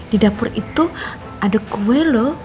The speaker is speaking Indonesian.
di dapur itu ada kue loh